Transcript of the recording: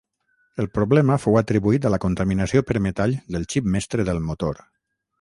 El problema fou atribuït a la contaminació per metall del xip mestre del motor.